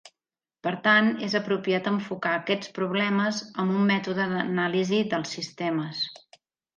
Per tant és apropiat enfocar aquests problemes amb un mètode d'anàlisi dels sistemes.